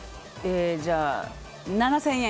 じゃあ７０００円！